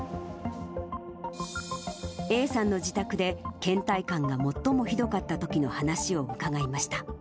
Ａさんの自宅で、けん怠感が最もひどかったときの話を伺いました。